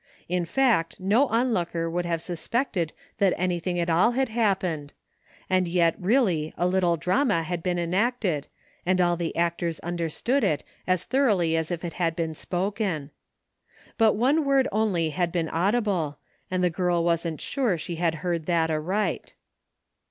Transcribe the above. In fact no onlooker would have suspected that anything at all had happened, and yet really a little drama had been enacted and all the actors understood it as thoroughly as if it had been spoken. But one word only had been audible, and the girl wasn't sure she had heard that aright.